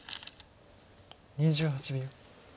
２８秒。